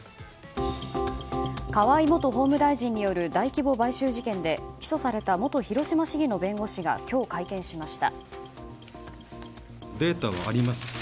河井元法務大臣による大規模買収事件で起訴された元広島市議の弁護士が今日、会見しました。